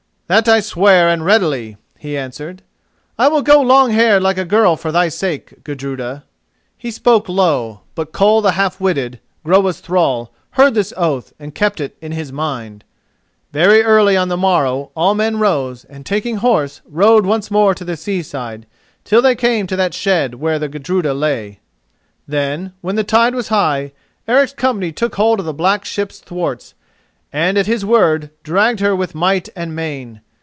"That I swear, and readily," he answered. "I will go long haired like a girl for thy sake, Gudruda." He spoke low, but Koll the Half witted, Groa's thrall, heard this oath and kept it in his mind. Very early on the morrow all men rose, and, taking horse, rode once more to the seaside, till they came to that shed where the Gudruda lay. Then, when the tide was high, Eric's company took hold of the black ship's thwarts, and at his word dragged her with might and main.